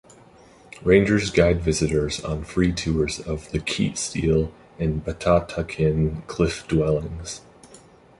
Rangers guide visitors on free tours of the Keet Seel and Betatakin cliff dwellings.